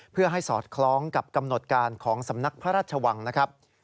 เพื่อให้สอดคล้องกับกำหนดการของสำนักพระราชวังนะครับ